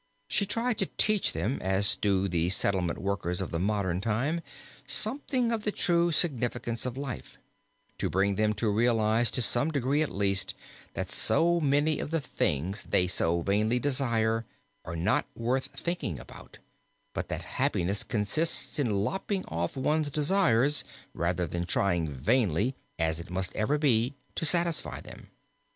She tried to teach them, as do the settlement workers of the modern time, something of the true significance of life, to bring them to realize to some degree at least, that so many of the things they so vainly desire are not worth thinking about, but that happiness consists in lopping off one's desires rather than trying vainly, as it must ever be, to satisfy them.